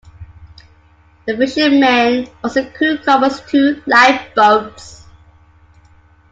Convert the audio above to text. The fishermen also crewed Cromer's two lifeboats.